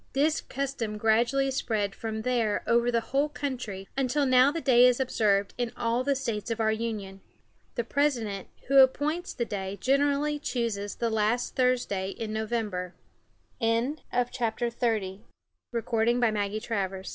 This custom gradually spread from there over the whole country, until now the day is observed in all the states of our Union. The President, who appoints the day, generally chooses the last Thursday in November. [Illustration: The First Thanksgiving Dinner.] XXXI.